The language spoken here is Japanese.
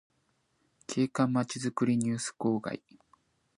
景観まちづくりニュース号外